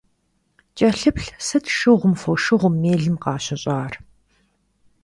КӀэлъыплъ, сыт шыгъум, фошыгъум, мелым къащыщӀар?